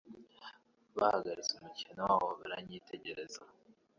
Bahagaritse umukino wabo baranyitegereza.